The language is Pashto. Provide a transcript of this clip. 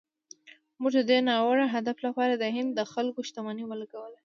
موږ د دې ناوړه هدف لپاره د هند د خلکو شتمني ولګوله.